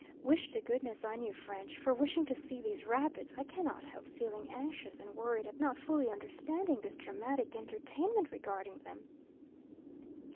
Wish to goodness I knew French, for wishing to see these rapids, I cannot help feeling anxious and worried at not fully understanding this dramatic entertainment regarding them.